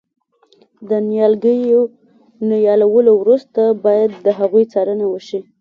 د نیالګیو نیالولو وروسته باید د هغوی څارنه وشي.